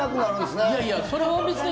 いやいや、それは別に。